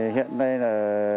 hiện nay là